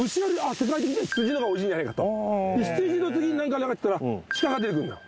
世界的には羊の方がおいしいんじゃないかと羊の次に何か考えてたら鹿が出てくんのよ